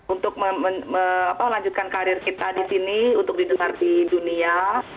untuk melanjutkan karir kita di sini untuk didengar di dunia